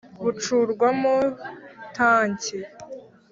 bucurwamo tanki,